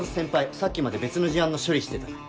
さっきまで別の事案の処理してたから。